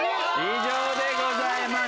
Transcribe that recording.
以上でございます。